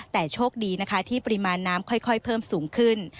แต่โชคดีนะคะที่ปริมาณน้ำค่อยเพิ่มสูงขึ้น